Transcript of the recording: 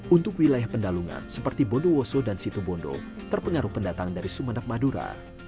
untuk wilayah pendalungan seperti bondowoso dan situbondo terpengaruh pendatang dari sumeneb madura